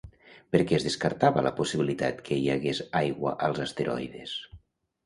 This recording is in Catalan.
Per què es descartava la possibilitat que hi hagués aigua als asteroides?